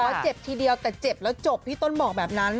เจ็บทีเดียวแต่เจ็บแล้วจบพี่ต้นบอกแบบนั้น